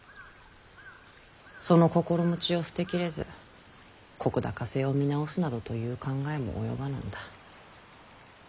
その心持ちを捨てきれず石高制を見直すなどという考えも及ばなんだ。